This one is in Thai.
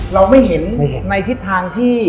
เราไม่เห็นในทิศทางที่